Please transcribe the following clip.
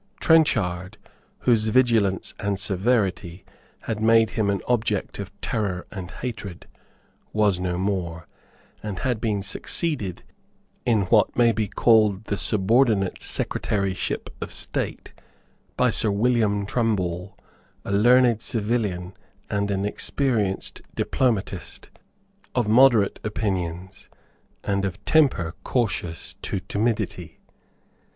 Trenchard, whose vigilance and severity had made him an object of terror and hatred, was no more, and had been succeeded, in what may be called the subordinate Secretaryship of State, by Sir William Trumball, a learned civilian and an experienced diplomatist, of moderate opinions, and of temper cautious to timidity.